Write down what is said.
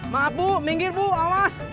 maaf bu minggir bu awas